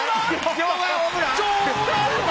場外ホームラン！